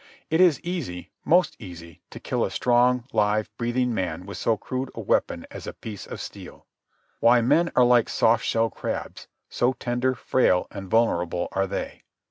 It is easy, most easy, to kill a strong, live, breathing man with so crude a weapon as a piece of steel. Why, men are like soft shell crabs, so tender, frail, and vulnerable are they.